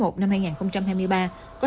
có sáu mươi chín doanh nghiệp phát hành được